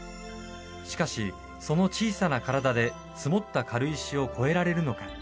しかし、その小さな体で積もった軽石を越えられるのか。